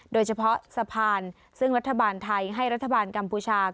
โดยเฉพาะสะพานซึ่งรัฐบาลไทยให้รัฐบาลกัมพูชา